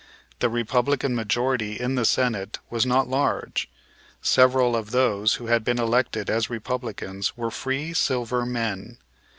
The Republican majority in the Senate was not large. Several of those who had been elected as Republicans were free silver men.